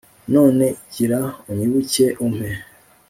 none gira unyibuke umpe